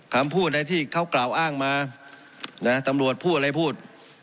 คำพูดอะไรที่เขากล่าวอ้างมานะตำรวจพูดอะไรพูด